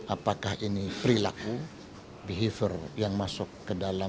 apakah ini perilaku behavior yang masuk ke dalam